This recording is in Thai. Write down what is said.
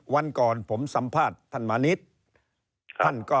วันก่อนผมสัมภาษณ์ท่านมานิด